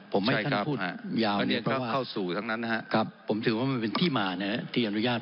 ผมไม่ให้ท่านพูดยาวเพราะว่าผมถือว่ามันเป็นที่มาเนี่ยที่อนุญาต